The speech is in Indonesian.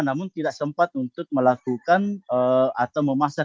namun tidak sempat untuk melakukan atau memasak